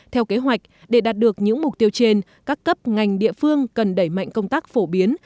theo kế hoạch để đạt được những mục tiêu trên các cấp ngành địa phương cần đẩy mạnh công tác phổ biến